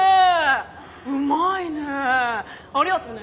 うまいね！